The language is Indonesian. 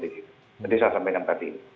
jadi saya sampai dengan tadi